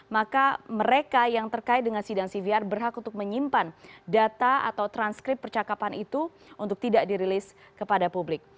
maka mereka yang terkait dengan sidang cvr berhak untuk menyimpan data atau transkrip percakapan itu untuk tidak dirilis kepada publik